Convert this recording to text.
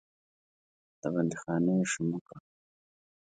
د بندیخانې شومه کړ.